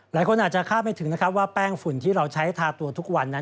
หลายคนอาจจะคาดไม่ถึงนะครับว่าแป้งฝุ่นที่เราใช้ทาตัวทุกวันนั้น